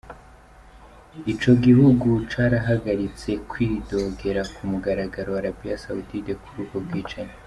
Ico gihugu carahagaritse kwidogera ku mugaragaro Arabie Saoudite kuri ubwo bwicanyi.